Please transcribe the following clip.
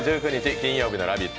金曜日の「ラヴィット！」。